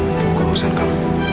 itu urusan kamu